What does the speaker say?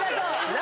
何！？